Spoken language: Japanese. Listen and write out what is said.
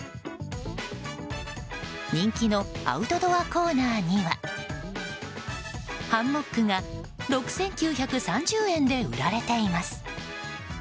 人気のアウトドアコーナーにはハンモックが６９３０円で売られています。